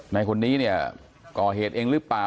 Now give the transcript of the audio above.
ในคนนี้เนี่ยก่อเหตุเองหรือเปล่า